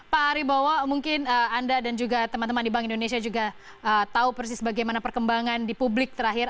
pak aribowo mungkin anda dan juga teman teman di bank indonesia juga tahu persis bagaimana perkembangan di publik terakhir